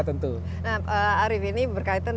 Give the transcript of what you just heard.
tentu nah arief ini berkaitan